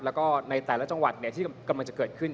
แล้วก็ในแต่ละจังหวัดที่กำลังจะเกิดขึ้น